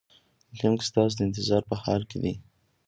لینک ستاسو د انتظار په حال کې دی.